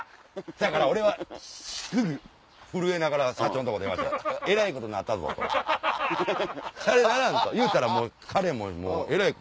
だから俺はすぐ震えながら社長のとこ電話して「えらいことになったぞしゃれにならん」と言うたらもう彼もえらい。